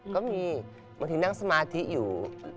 ก็มีบางทีนั่งสมาธิอยู่